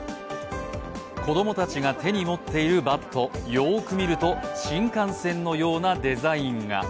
子供たちが手に持っているバット、よーく見ると新幹線のようなデザインが。